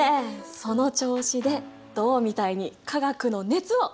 その調子で銅みたいに化学の熱を伝えていこう！